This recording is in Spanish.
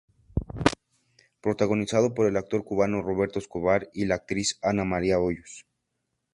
Protagonizada por el actor cubano Roberto Escobar y la actriz Ana María Hoyos.